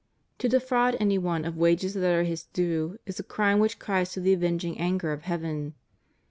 To defraud any one of wages that are his due is a crime which cries to the avenging anger of Heaven.